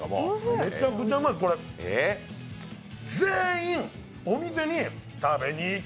めちゃくちゃうまい、これ、全員、お店に食べにいき